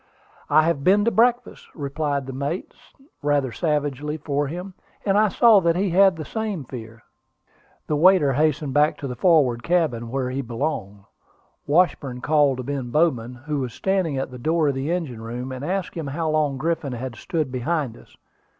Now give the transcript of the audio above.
"I have been to breakfast," replied the mate, rather savagely for him; and I saw that he had the same fear. The waiter hastened back to the forward cabin, where he belonged. Washburn called to Ben Bowman, who was standing at the door of the engine room, and asked him how long Griffin had stood behind us.